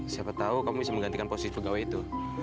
siapa tahu kamu bisa menggantikan posisi pegawai itu